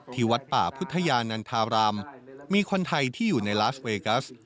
วัดป่าพุทธยานันทารามมีคนไทยที่อยู่ในลาสเวกัส